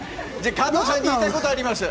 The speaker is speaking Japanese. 加藤さんに言いたいことあります。